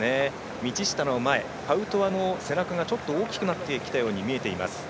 道下の前パウトワの背中が大きくなってきたように見えています。